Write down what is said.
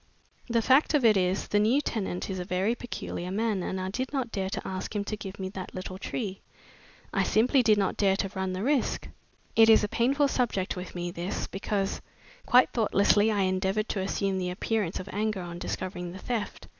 The fact of it is, the new tenant is a very peculiar man and I did not dare to ask him to give me that little tree. I simply did not dare to run the risk. It is a painful subject with me, this, because quite thoughtlessly I endeavored to assume the appearance of anger on discovering the theft.